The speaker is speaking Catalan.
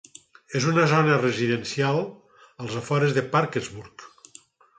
És una zona residencial als afores de Parkersburg.